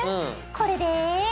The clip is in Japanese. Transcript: これで。